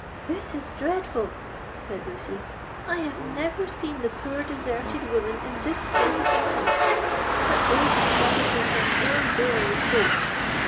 '" "This is dreadful," said Lucy; "I have never seen the poor deserted woman in this state of mind; but age and poverty can ill bear reproach.